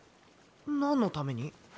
何のために？